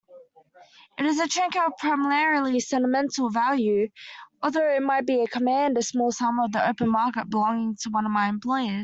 It's a trinket of primarily sentimental value, although it might command a small sum on the open market, belonging to one of my employers.